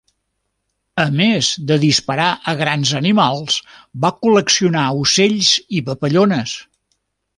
A més de disparar a grans animals, va col·leccionar ocells i papallones.